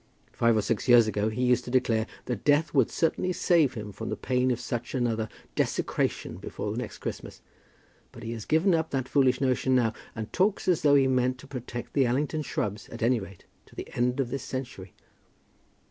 Five or six years ago he used to declare that death would certainly save him from the pain of such another desecration before the next Christmas; but he has given up that foolish notion now, and talks as though he meant to protect the Allington shrubs at any rate to the end of this century."